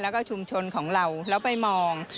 แล้วก็ชุมชนของเราแล้วไปมอง